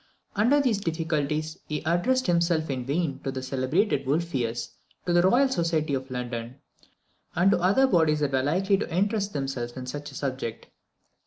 Under these difficulties he addressed himself in vain to the celebrated Wolfius, to the Royal Society of London, and to other bodies that were likely to interest themselves in such a subject.